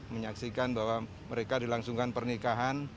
menyaksikan bahwa mereka dilangsungkan pernikahan